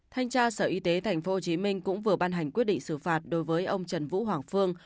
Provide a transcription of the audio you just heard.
thanh tra sở y tế tp hcm cũng vừa ban hành quyết định xử phạt đối với ông trần vũ hoàng phương